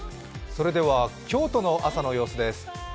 京都の朝の様子です。